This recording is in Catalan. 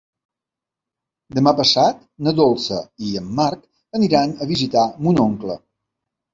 Demà passat na Dolça i en Marc aniran a visitar mon oncle.